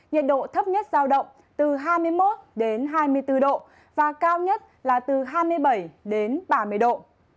nhiệt độ thấp nhất giao động từ hai mươi một hai mươi bốn độ và cao nhất là từ hai mươi bảy đến ba mươi độ